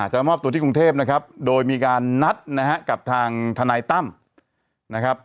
จะมอบตัวที่กรุงเทพนะครับโดยมีการนัดนะฮะกับทางทนายตั้มนะครับ